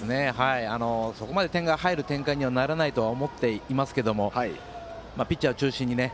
そこまで点が入る展開にはならないとは思っていますがピッチャーを中心にね。